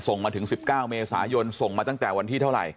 ส่งมาถึง๑๙เมษายนส่งมาตั้งแต่วันที่เท่าไหร่